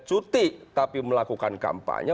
cuti tapi melakukan kampanye